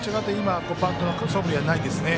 バントのそぶりは今ないですね。